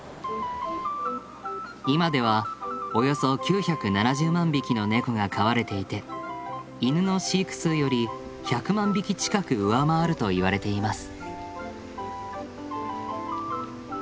今ではおよそ９７０万匹のネコが飼われていて犬の飼育数より１００万匹近く上回るといわれています。